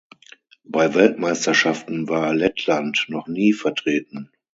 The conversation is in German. Bei Weltmeisterschaften war Lettland noch nie vertreten.